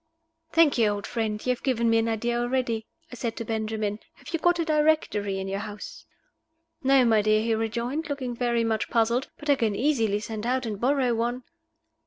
"Thank you, old friend; you have given me an idea already," I said to Benjamin. "Have you got a Directory in your house?" "No, my dear," he rejoined, looking very much puzzled. "But I can easily send out and borrow one."